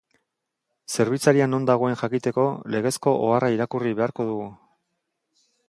Zerbitzaria non dagoen jakiteko, legezko oharra irakurri beharko dugu.